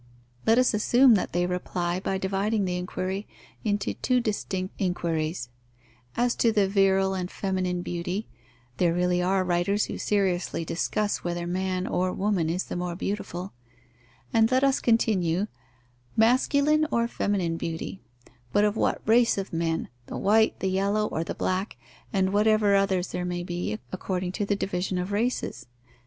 Let us assume that they reply by dividing the inquiry into two distinct inquiries, as to the virile and feminine beauty (there really are writers who seriously discuss whether man or woman is the more beautiful); and let us continue: "Masculine or feminine beauty; but of what race of men the white, the yellow, or the black, and whatever others there may be, according to the division of races?"